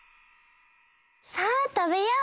さあたべよう！